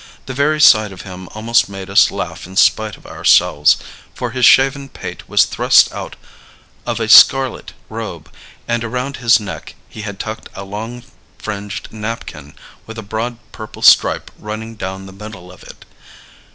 The very sight of him almost made us laugh in spite of ourselves; for his shaven pate was thrust out of a scarlet robe, and around his neck he had tucked a long fringed napkin with a broad purple stripe running down the middle of it.